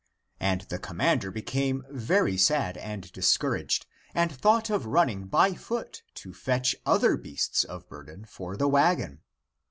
And the commander became very sad and discouraged, and thought of running by foot to fetch other beasts of burden for the wagon.